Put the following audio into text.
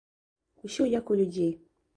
Усё як у людзей.